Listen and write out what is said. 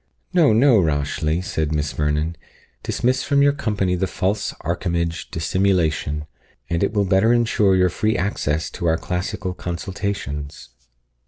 "No, no, Rashleigh," said Miss Vernon; "dismiss from your company the false archimage Dissimulation, and it will better ensure your free access to our classical consultations."